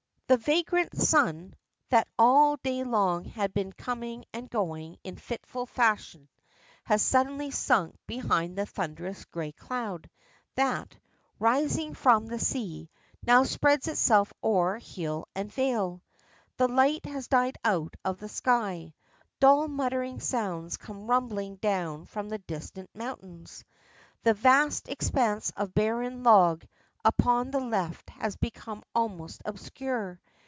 The vagrant sun, that all day long had been coming and going in fitful fashion, has suddenly sunk behind the thunderous gray cloud that, rising from the sea, now spreads itself o'er hill and vale. The light has died out of the sky; dull muttering sounds come rumbling down from the distant mountains. The vast expanse of barren bog upon the left has become almost obscure.